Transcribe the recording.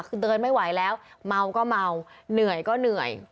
คือเดินไม่ไหวแล้วเมาก็เมาเหนื่อยก็เหนื่อย